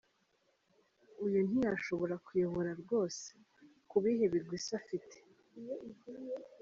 Uyu ntiyashobora kuyobora rwose, kubihe bigwi se afite.